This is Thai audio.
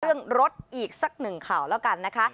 เรื่องรถอีกสักหนึ่งข่าวแล้วกันนะคะ